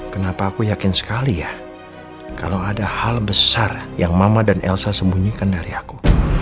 kenapa aku yakin sekali ya kalau ada hal besar yang mama dan elsa sembunyikan dari aku